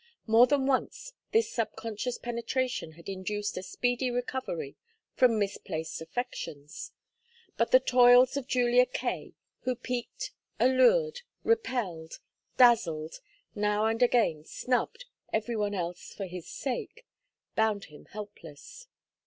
More than once this subconscious penetration had induced a speedy recovery from misplaced affections; but the toils of Julia Kaye, who piqued, allured, repelled, dazzled, now and again snubbed every one else for his sake, bound him helpless.